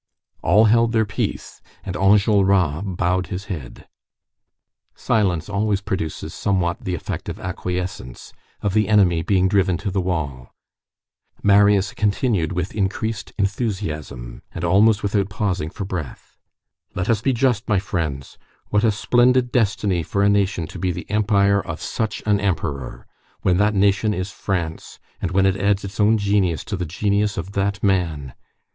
All held their peace, and Enjolras bowed his head. Silence always produces somewhat the effect of acquiescence, of the enemy being driven to the wall. Marius continued with increased enthusiasm, and almost without pausing for breath:— "Let us be just, my friends! What a splendid destiny for a nation to be the Empire of such an Emperor, when that nation is France and when it adds its own genius to the genius of that man!